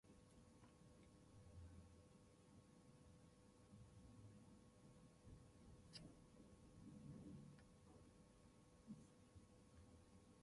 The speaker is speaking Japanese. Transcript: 五月雨をあつめてやばしドナウ川